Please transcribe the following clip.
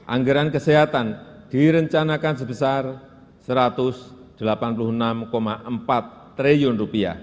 anggaran kesehatan direncanakan sebesar rp satu ratus delapan puluh enam empat triliun